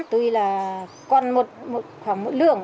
tui là con một lượng